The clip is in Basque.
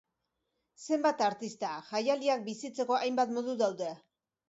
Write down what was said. Zenbat artista, jaialdiak bizitzeko hainbat modu daude.